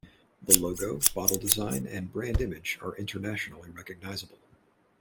The logo, bottle design, and brand image are internationally recognizable.